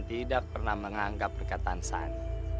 tidak pernah menganggap perkataan sani